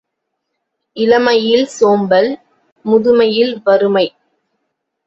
இளமையில் சோம்பல், முதுமையில் வறுமை.